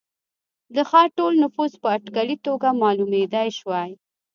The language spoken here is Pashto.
د ښار ټول نفوس په اټکلي توګه معلومېدای شوای.